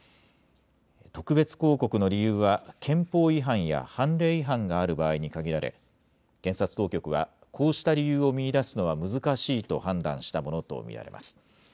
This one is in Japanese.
特別抗告の理由は、憲法違反や判例違反がある場合に限られ、検察当局はこうした理由を見いだすのは難しいと判断したものと見られます。